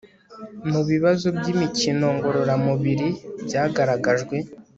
mubibazo byimikino ngororamubiri byagaragajwe